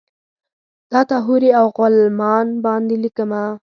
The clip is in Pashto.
تاته حورې اوغلمان باندې لیکمه